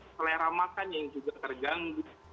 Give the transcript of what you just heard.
selera makan yang juga terganggu